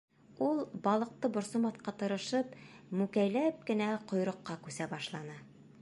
Ул, балыҡты борсомаҫҡа тырышып, мүкәйләп кенә ҡойроҡҡа күсә башланы.